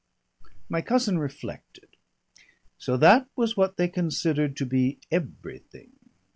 My cousin reflected. So that was what they considered to be everything!